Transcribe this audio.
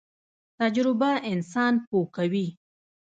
تجربه انسان پوه کوي